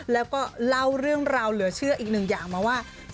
แล้วก็เล่าเรื่องราวเหลือเชื่ออีกหนึ่งอย่างมาว่า